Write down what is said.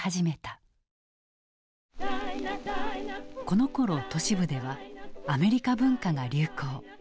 このころ都市部ではアメリカ文化が流行。